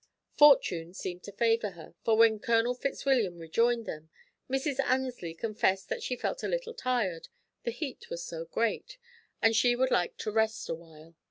Fortune seemed to favour her, for when Colonel Fitzwilliam rejoined them, Mrs. Annesley confessed that she felt a little tired, the heat was so great, and she would like to rest a while.